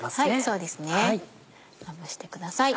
そうですねまぶしてください。